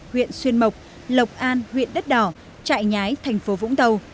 huyện xuyên mộc lộc lộc an huyện đất đỏ trại nhái thành phố vũng tàu